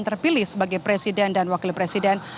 terpilih sebagai presiden dan wakil presiden